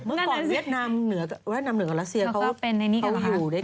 เมื่อก่อนเวียดนามเหนือกับราเซียเขาอยู่ด้วยกัน